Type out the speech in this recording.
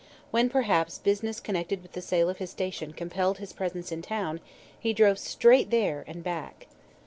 When perhaps business connected with the sale of his station compelled his presence in town, he drove straight there and back.